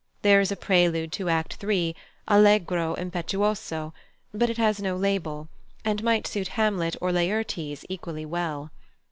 There is a prelude to Act iii., allegro impetuoso, but it has no label, and might suit Hamlet or Laertes equally well.